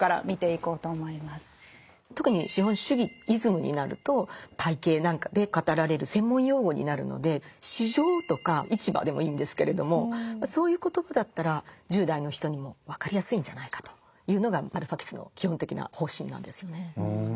特に資本主義イズムになると体系なんかで語られる専門用語になるので市場とか市場でもいいんですけれどもそういう言葉だったら１０代の人にも分かりやすいんじゃないかというのがバルファキスの基本的な方針なんですよね。